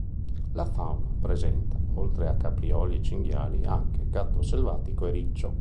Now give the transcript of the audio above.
La fauna presenta oltre a caprioli e cinghiali anche gatto selvatico e riccio.